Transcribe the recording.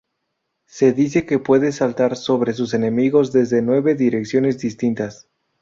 Se dice que puede saltar sobre sus enemigos desde nueve direcciones distintas.